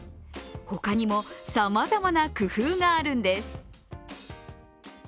他にもさまざまな工夫があるんです。